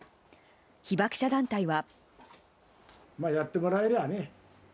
被爆者団体は。